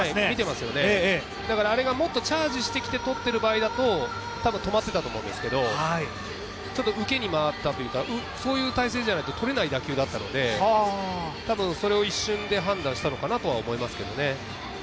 あれがもっとチャージしてきて取っている場合だとたぶん止まっていたと思うんですけど、ちょっと受けに回ったというか、そういう体勢じゃないと取れない打球だったので、それを一瞬で判断したのかなと思いますけどね。